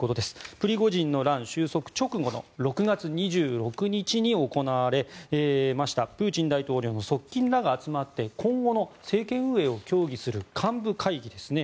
プリゴジンの乱収束直後の６月２６日に行われましたプーチン大統領の側近らが集まって今後の政権運営を協議する幹部会議ですね